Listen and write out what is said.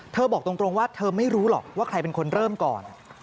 บอกตรงว่าเธอไม่รู้หรอกว่าใครเป็นคนเริ่มก่อน